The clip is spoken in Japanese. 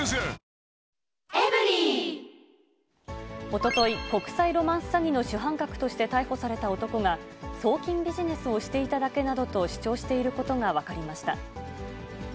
おととい、国際ロマンス詐欺の主犯格として逮捕された男が、送金ビジネスをしていただけなどと主張していることが分かりました。